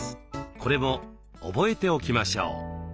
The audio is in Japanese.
これも覚えておきましょう。